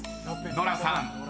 ノラさん］